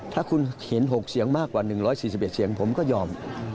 ถ้าคุณเห็น๖เสียงมากกว่า๑๔๑เสียงผมก็ยอม